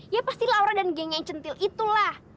ya pasti laura dan geng yang centil itulah